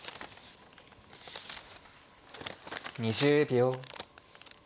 ２０秒。